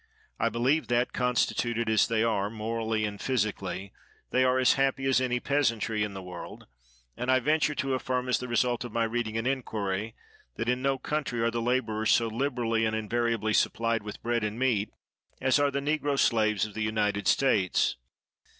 I believe that, constituted as they are, morally and physically, they are as happy as any peasantry in the world; and I venture to affirm, as the result of my reading and inquiry, that in no country are the laborers so liberally and invariably supplied with bread and meat as are the negro slaves of the United States.